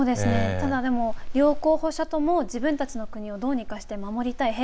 ただ、両候補者とも自分たちの国をどうにかして守りたい。